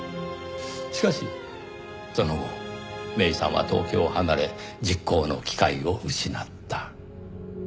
しかしその後芽依さんは東京を離れ実行の機会を失った。